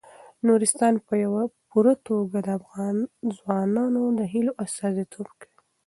نورستان په پوره توګه د افغان ځوانانو د هیلو استازیتوب کوي.